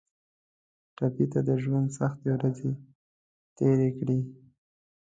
ټپي د ژوند سختې ورځې تېرې کړي.